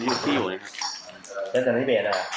จากนั้นที่เปลี่ยนนะครับ